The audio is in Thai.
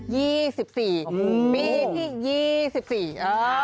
ปีที่๒๔เออ